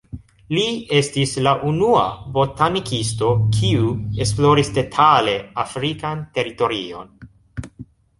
Li estis la unua botanikisto, kiu esploris detale afrikan teritorion.